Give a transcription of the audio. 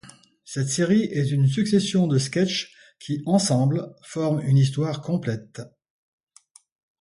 Cette série est une succession de sketchs qui, ensemble, forment une histoire complète.